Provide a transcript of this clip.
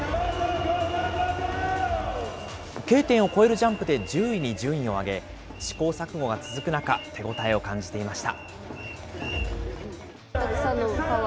Ｋ点を超えるジャンプで１０位に順位を上げ、試行錯誤が続く中、手応えを感じていました。